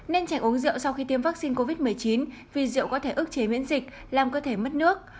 nên trẻ uống rượu sau khi tiêm vaccine covid một mươi chín vì rượu có thể ước chế miễn dịch làm cơ thể mất nước